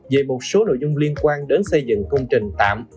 về một số nội dung liên quan đến xây dựng công trình tạm